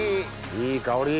いい香り！